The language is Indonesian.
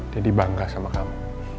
jadi bangga sama kamu